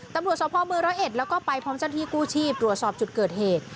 ตำรวจสภเมืองร้อยเอ็ดแล้วก็ไปพร้อมเจ้าหน้าที่กู้ชีพตรวจสอบจุดเกิดเหตุ